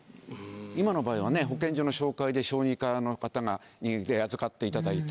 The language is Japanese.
今の場合はね保健所の紹介で小児科の方に預かっていただいた。